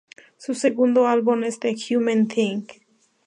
Su segundo álbum es "The Human Thing.